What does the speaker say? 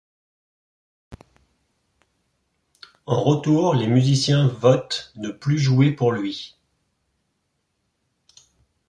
En retour, les musiciens votent ne plus jouer pour lui.